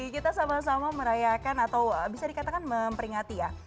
kita sama sama merayakan atau bisa dikatakan memperingati ya